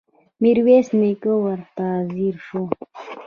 ميرويس نيکه ورته ځير شو.